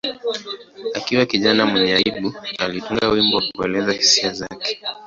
Akiwa kijana mwenye aibu, alitunga wimbo wa kuelezea hisia zake.